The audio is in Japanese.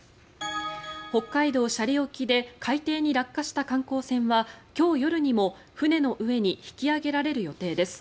北海道・斜里沖で海底に落下した観光船は今日夜にも船の上に引き揚げられる予定です。